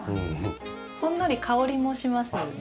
ほんのり香りもしますね。